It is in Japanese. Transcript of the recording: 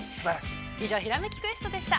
◆以上、「ひらめきクエスト」でした。